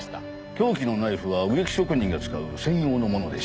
凶器のナイフは植木職人が使う専用のものでした。